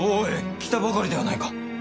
来たばかりではないか。